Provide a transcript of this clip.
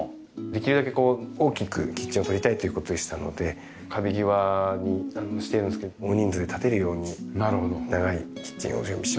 できるだけ大きくキッチンを取りたいという事でしたので壁際にしてるんですけど大人数で立てるように長いキッチンを準備しました。